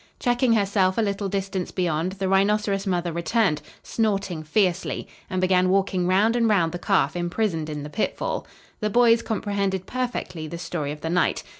Checking herself a little distance beyond, the rhinoceros mother returned, snorting fiercely, and began walking round and round the calf imprisoned in the pitfall. The boys comprehended perfectly the story of the night.